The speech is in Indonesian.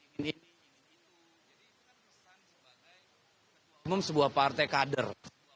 jadi kan pesan sebagai ketua umum sebuah partai kader